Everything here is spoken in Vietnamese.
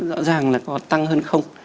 rõ ràng là có tăng hơn không